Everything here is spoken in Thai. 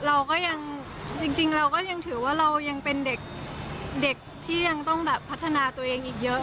เราก็ยังจริงเราก็ยังถือว่าเรายังเป็นเด็กที่ยังต้องแบบพัฒนาตัวเองอีกเยอะ